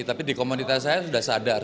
tapi di komunitas saya sudah sadar